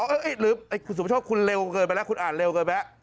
อ๋อเอ๊ะหรือคุณสุบชอบคุณเร็วเกินไปแล้วคุณอ่านเร็วเกินไป